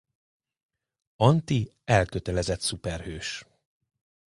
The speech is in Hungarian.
Anti elkötelezett szuperhős.